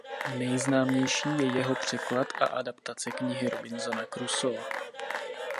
Nejznámější je jeho překlad a adaptace knihy Robinsona Crusoe.